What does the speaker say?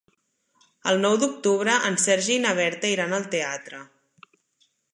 El nou d'octubre en Sergi i na Berta iran al teatre.